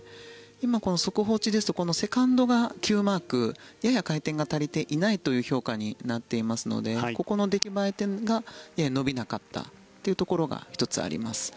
今、速報値ですとセカンドがｑマークやや回転が足りていないという評価になっていますのでここの出来栄え点が伸びなかったというところが１つあります。